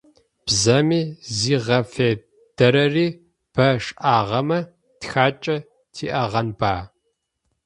Бзэми зигъэфедэрэри бэ шӏагъэмэ, тхакӏэ тиӏэгъэнба?